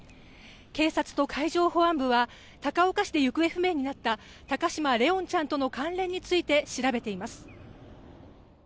警察と海上保安部は高岡市で行方不明になった高嶋怜音ちゃんとの関連について調べています。